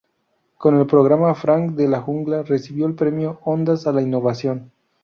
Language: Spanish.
Con el programa Frank de la jungla recibió el premio Ondas a la Innovación.